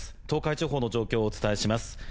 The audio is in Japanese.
東海地方の状況をお伝えします。